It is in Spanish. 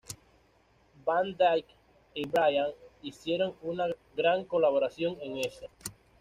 Van Dyke y Brian hicieron una gran colaboración en eso.